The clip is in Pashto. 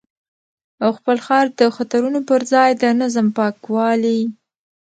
او خپل ښار د خطرونو پر ځای د نظم، پاکوالي